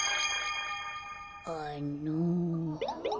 あの。